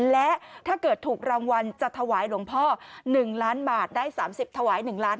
และถ้าเกิดถูกรางวัลจะถวายหลวงพ่อ๑ล้านบาทได้๓๐ถวาย๑ล้าน